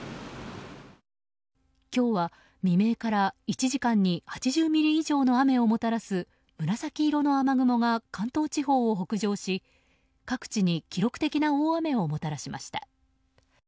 今日は、未明から１時間に８０ミリ以上の雨をもたらす紫色の雨雲が関東地方を北上し各地に記録的な大雨をもたらしました。